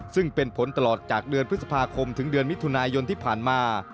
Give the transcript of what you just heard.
ซึ่งเป็นผลตลอดจากเดือนพฤษภาคมถึงเดือนมิถุนายนที่ผ่านมา